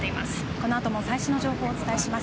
このあとも最新の情報をお伝えします。